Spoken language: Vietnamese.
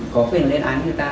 có quyền lên án người ta